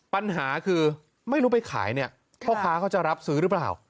ปัญหาคือไม่รู้ไปขายเนี่ยพ่อค้าเขาจะรับซื้อหรือเปล่า